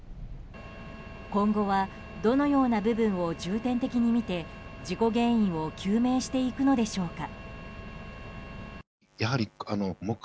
今後はどのような部分を重点的に見て事故原因を究明していくのでしょうか。